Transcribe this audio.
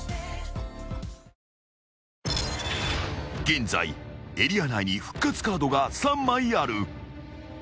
［現在エリア内に復活カードが３枚ある］